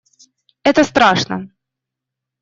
Это страшно.